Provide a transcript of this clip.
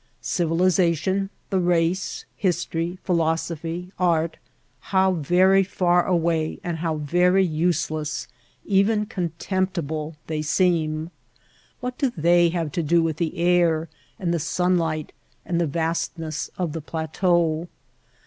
Civ ilization, the race, history, philosophy, art — how very far away and how very useless, even contemptible, they seem. What have they to do with the air and the sunlight and the vastness of the plateau